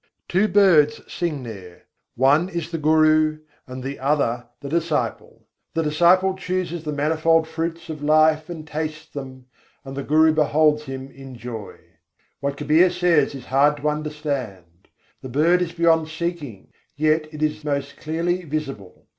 Two birds sing there; one is the Guru, and the other the disciple: The disciple chooses the manifold fruits of life and tastes them, and the Guru beholds him in joy. What Kabîr says is hard to understand: "The bird is beyond seeking, yet it is most clearly visible.